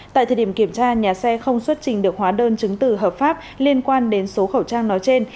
tại thời điểm kiểm tra nhà xe không xuất trình được hóa đơn chứng từ hợp pháp liên quan đến số khẩu trang nói trên